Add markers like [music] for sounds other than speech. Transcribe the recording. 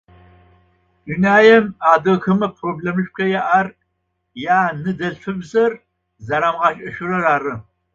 [noise] Дунаем адыгэхэмэ проблэмышъухо яӏэр яныдэлфыбзэр зэрамашӏышъурэр ары.